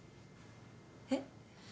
えっ？